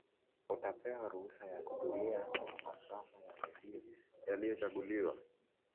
utapewa ruhusa ya kutumia masafa ya redio yaliyochaguliwa